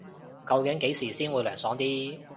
究竟幾時先會涼爽啲